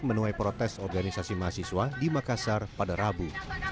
menuai protes organisasi mahasiswa di makassar pada rabu